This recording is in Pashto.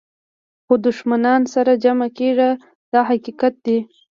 خو دښمنان سره جمع کېږي دا حقیقت دی.